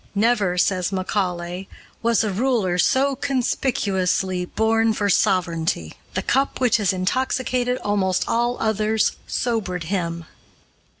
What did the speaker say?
"Never," says Macaulay, "was a ruler so conspicuously born for sovereignty. The cup which has intoxicated almost all others sobered him."